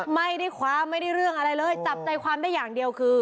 ไม่ได้ความไม่ได้เรื่องอะไรเลยจับใจความได้อย่างเดียวคือ